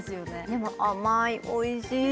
でも甘いおいしい